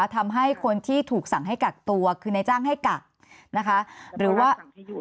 ทำให้คนที่ถูกสั่งให้กักตัวคือนายจ้างให้กักนะคะหรือว่า